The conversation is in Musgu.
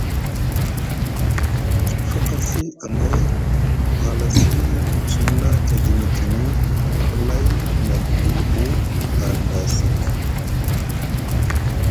Fakasi amay ku halasi ku sumna edi midini hlay na guilɓu hanɗa sek.